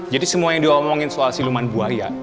jadi semua yang dia omongin soal siluman buaya